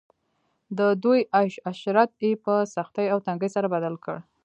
د دوی عيش عشرت ئي په سختۍ او تنګۍ سره بدل کړ